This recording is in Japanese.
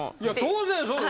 当然そう。